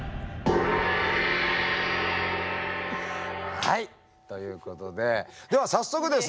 はいということででは早速ですね